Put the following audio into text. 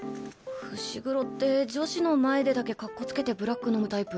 伏黒って女子の前でだけかっこつけてブラック飲むタイプ？